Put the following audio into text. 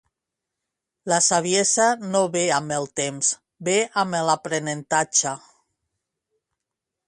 La saviesa no ve amb el temps ve amb l'aprenentatge